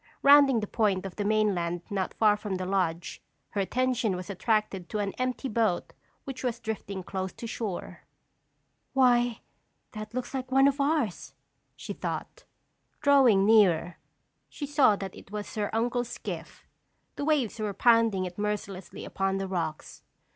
Rounding the point of the mainland not far from the lodge, her attention was attracted to an empty boat which was drifting close to shore. "Why, that looks like one of ours," she thought. Drawing nearer, she saw that it was her uncle's skiff. The waves were pounding it mercilessly upon the rocks.